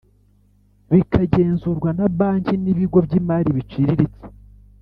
bikagenzurwa na banki n ibigo by imari biciriritse